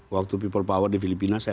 waktu people power di filipina saya